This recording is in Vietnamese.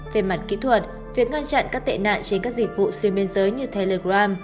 về mặt kỹ thuật việc ngăn chặn các tệ nạn trên các dịch vụ xuyên biên giới như telegram